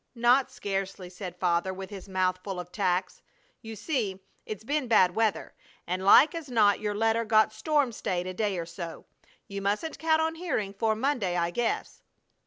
"Not scarcely!" said Father, with his mouth full of tacks. "You see, it's been bad weather, and like as not your letter got storm stayed a day or so. You mustn't count on hearing 'fore Monday I guess."